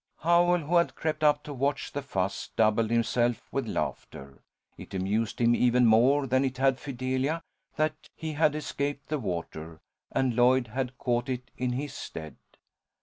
Howell, who had crept up to watch the fuss, doubled himself with laughter. It amused him even more than it had Fidelia that he had escaped the water, and Lloyd had caught it in his stead.